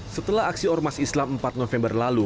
setelah aksi ormas islam empat november lalu